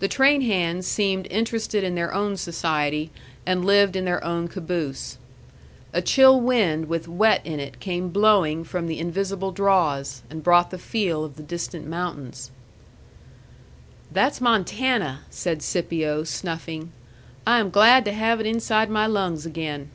The train hands seemed interested in their own society and lived in their own caboose. A chill wind with wet in it came blowing from the invisible draws, and brought the feel of the distant mountains. "That's Montana!" said Scipio, snuffing. "I am glad to have it inside my lungs again."